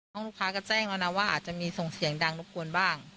ห้องลูกค้าก็แจ้งแล้วนะว่าอาจจะมีส่งเสียงดังรบกวนบ้าง